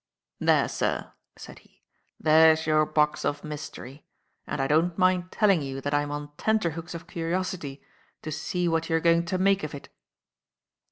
"There, sir," said he, "there's your box of mystery; and I don't mind telling you that I'm on tenterhooks of curiosity to see what you are going to make of it."